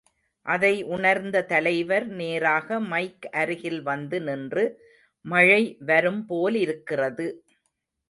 அதை உணர்ந்த தலைவர் நேராக மைக் அருகில் வந்து நின்று, மழை வரும் போலிருக்கிறது.